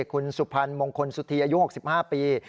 คุณสุพรรณมงคลสุธีอายุ๖๕ปี